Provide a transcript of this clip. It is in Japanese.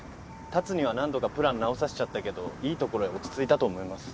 竜には何度かプラン直させちゃったけどいいところへ落ち着いたと思います。